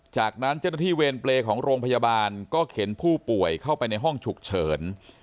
จากนั้นเจ้าหน้าที่เวรเปรย์ของโรงพยาบาลก็เข็นผู้ป่วยเข้าไปในห้องฉุกเฉิน